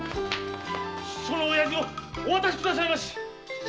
そのおやじをお渡しくださいまし！